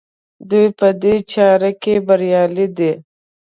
دوی په دې چاره کې بریالي دي.